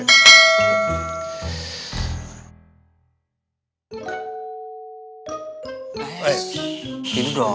eh tidur dong